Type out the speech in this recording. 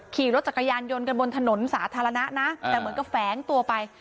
ขี่รถจักรยานยนต์กันบนถนนสาธารณะนะแต่เหมือนกับแฝงตัวไป